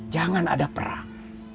jangan ada perang